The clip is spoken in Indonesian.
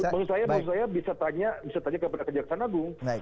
maksud saya bisa tanya bisa tanya kepada kejaksaan agung